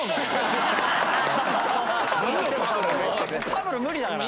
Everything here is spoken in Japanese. パブロ無理だから。